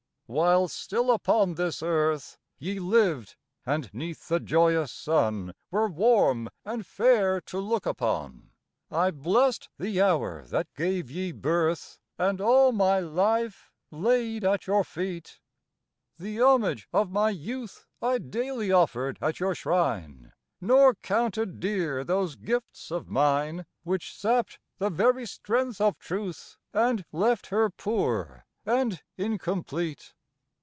While still upon this earth Ye lived, and 'neath the joyous sun Were warm and fair to look upon, I blest the hour that gave ye birth, And all my life laid at your feet. The homage of my youth I daily offered at your shrine, Nor counted dear those gifts of mine Which sapped the very strength of truth, And left her poor and incomplete.